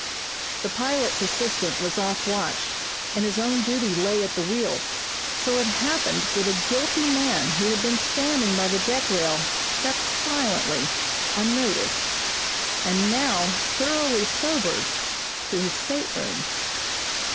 The pilot's assistant was off watch, and his own duty lay at the wheel; so it happened that a guilty man who had been standing by the deck rail crept silently, unnoticed, and now thoroughly sobered, to his stateroom.